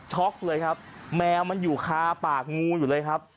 เลยครับแมวมันอยู่คาปากงูอยู่เลยครับ